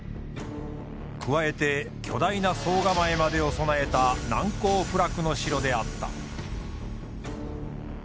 加えて巨大な惣構えまでを備えた難攻不落の城であった。